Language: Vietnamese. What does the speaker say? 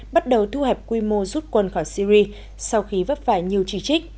bắt đầu thu hẹp quy mô rút quân khỏi syri sau khi vấp phải nhiều chỉ trích